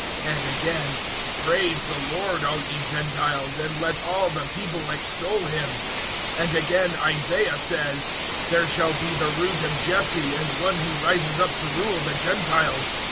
015:011 And again, "Praise the Lord, all ye Gentiles, and let all the people extol Him." 015:012 And again Isaiah says, "There shall be the Root of Jesse and One who rises up to rule the Gentiles.